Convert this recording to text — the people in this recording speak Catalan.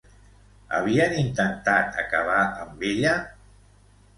Havien intentat acabar amb ella?